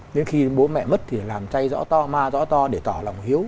nên khi bố mẹ mất thì làm tay rõ to ma rõ to để tỏ lòng hiếu